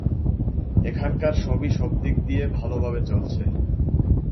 এখানকার সবই সবদিক দিয়ে ভালভাবেই চলছে।